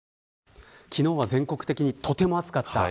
昨日は全国的にとても暑かった。